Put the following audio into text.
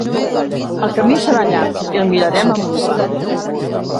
El camí serà llarg i el mirarem amb lupa.